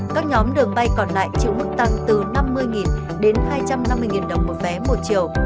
các nhóm đường bay còn lại chịu mức tăng từ năm mươi đến hai trăm năm mươi đồng một vé một chiều